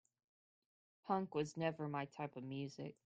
Punk was never my type of music.